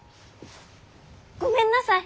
ごめんなさい！